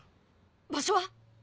場所は？